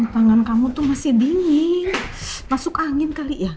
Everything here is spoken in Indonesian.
tangan kamu tuh masih dingin masuk angin kali ya